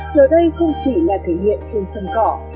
giờ đây không chỉ là thể hiện trên sân cỏ